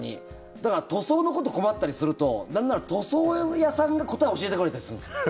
だから塗装のこと困ったりするとなんなら塗装屋さんが答えを教えてくれたりするんです。